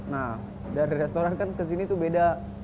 nah dari restoran kan ke sini tuh beda